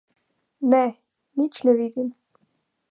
Ne, nič ne vidim.